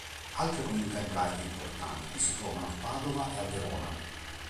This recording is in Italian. Altre comunità ebraiche importanti si trovano a Padova e a Verona.